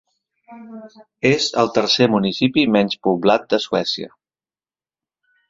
És el tercer municipi menys poblat de Suècia.